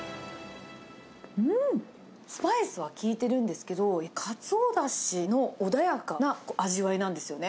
スパイスが効いてるんですけど、カツオだしの穏やかな味わいなんですよね。